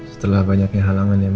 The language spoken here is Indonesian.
setelah banyaknya halangan ya